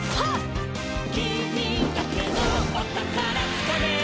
「きみだけのおたからつかめ！」